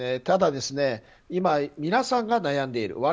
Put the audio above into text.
ただ今、皆さんが悩んでいる。